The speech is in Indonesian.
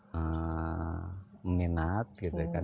menginat gitu kan